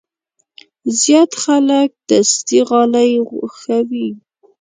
زیات خلک دستي غالۍ خوښوي.